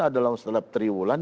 atau dalam setelah tiga bulan